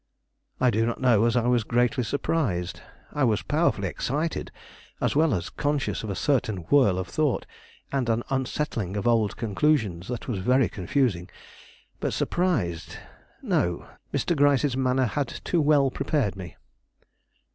I do not know as I was greatly surprised. I was powerfully excited, as well as conscious of a certain whirl of thought, and an unsettling of old conclusions that was very confusing; but surprised? No. Mr. Gryce's manner had too well prepared me.